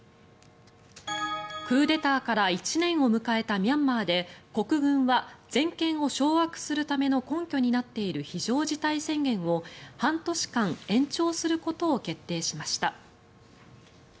クーデターから１年を迎えたミャンマーで国軍は全権を掌握するための根拠になっている非常事態宣言を半年間延長することを決定しました。